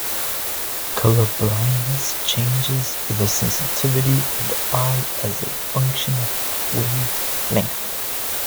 Color blindness changes the sensitivity of the eye as a function of wavelength.